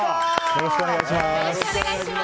よろしくお願いします。